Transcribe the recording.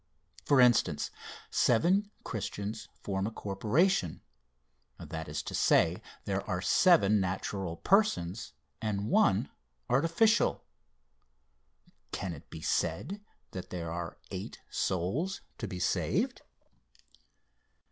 For instance: Seven Christians form a corporation that is to say, there are seven natural persons and one artificial can it be said that there are eight souls to be saved?